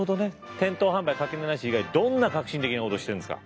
店頭販売掛値なし以外どんな革新的なことしてるんですか？